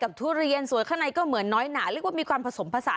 กับทุเรียนส่วนข้างในก็เหมือนน้อยหนา